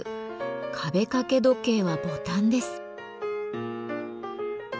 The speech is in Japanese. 壁掛け時計はボタンです。